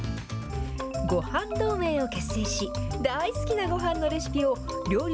ごはん同盟を結成し、大好きなごはんのレシピを料理